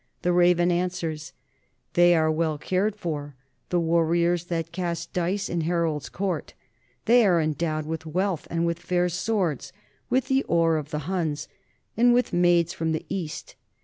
The Raven answers: They are well cared for, the warriors that cast dice in Harold's court. They are endowed with wealth and with fair swords, with the ore of the Huns, and with maids from the East.